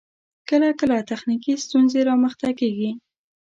کله کله تخنیکی ستونزې رامخته کیږی